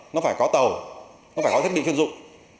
nó phải có tàu nó phải có thiết bị chuyên dụng